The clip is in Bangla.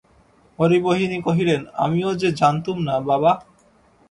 হরিমোহিনী কহিলেন, আমিও যে জানতুম না বাবা!